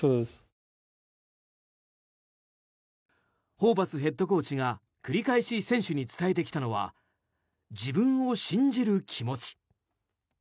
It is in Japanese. ホーバスヘッドコーチが繰り返し選手に伝えてきたのは自分を信じる気持ち。